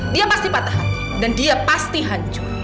dia pasti patah hati dan dia pasti hancur